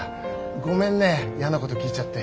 ごめんねやなこと聞いちゃって。